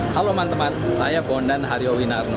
halo teman teman saya bondan hario winarno